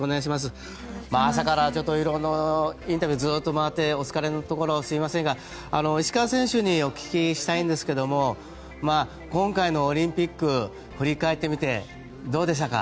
朝から色んなインタビューずっと回ってお疲れのところすみませんが石川選手にお聞きしたいんですが今回のオリンピック振り返ってみてどうでしたか？